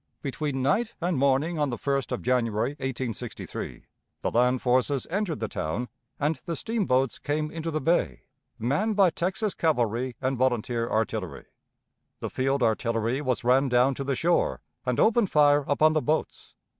Between night and morning on the 1st of January, 1863, the land forces entered the town, and the steamboats came into the bay, manned by Texas cavalry and volunteer artillery. The field artillery was ran down to the shore, and opened fire upon the boats.